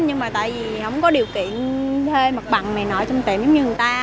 nhưng mà tại vì không có điều kiện thê mặt bằng này nọ trong tiệm giống như người ta